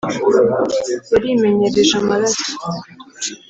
yarimenyereje amaraso